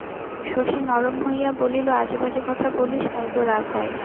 শশী নরম হইয়া বলিল, আজেবাজে কথা বলিস তাই তো রাগ হয়।